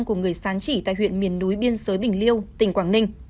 của người sán chỉ tại huyện miền núi biên giới bình liêu tỉnh quảng ninh